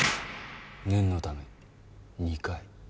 念のため２回。